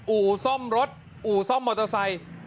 อู่ซ่อมรถอู่ซ่อมมอเตอร์ไซค์